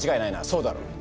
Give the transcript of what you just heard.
そうだろ？